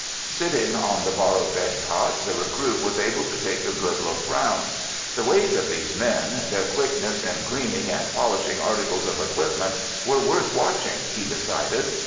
Sitting on the borrowed bed cot, the recruit was able to take a good look round. The ways of these men, their quickness in cleaning and polishing articles of equipment, were worth watching, he decided.